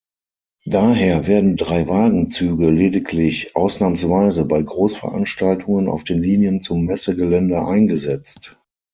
Daher werden Drei-Wagen-Züge lediglich ausnahmsweise bei Großveranstaltungen auf den Linien zum Messegelände eingesetzt.